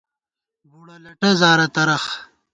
بُڑہ لٹہ زارہ ترَخ